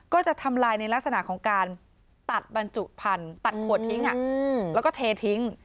ก็จะทำลายในลักษณะของการตัดบรรจุพันธุ์ตัดขวดทิ้งแล้วก็เททิ้ง